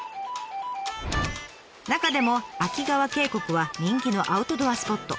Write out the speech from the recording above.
中でも秋川渓谷は人気のアウトドアスポット。